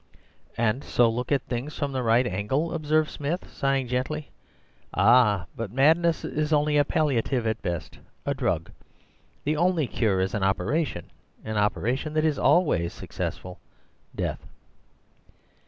"'And so look at things from the right angle,' observed Smith, sighing gently. 'Ah, but madness is only a palliative at best, a drug. The only cure is an operation—an operation that is always successful: death.